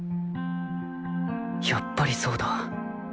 やっぱりそうだ。